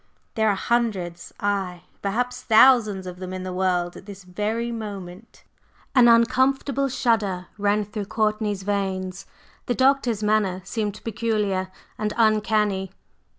There are hundreds, aye, perhaps thousands of them in the world at this very moment." An uncomfortable shudder ran through Courtney's veins; the Doctor's manner seemed peculiar and uncanny.